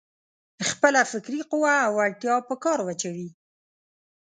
خپله فکري قوه او وړتيا په کار واچوي.